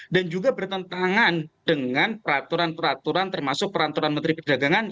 dan juga bertentangan dengan peraturan peraturan termasuk peraturan menteri perdagangan